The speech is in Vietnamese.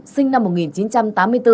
sinh năm một nghìn chín trăm tám mươi bốn